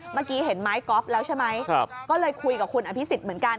เมื่อกี้เห็นไม้กอล์ฟแล้วใช่ไหมก็เลยคุยกับคุณอภิษฎเหมือนกัน